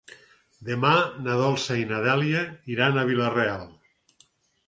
Demà na Dolça i na Dèlia iran a Vila-real.